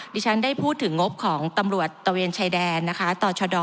ดิฉันได้พูดถึงงบของตำรวจตะเวนชายแดนนะคะต่อชด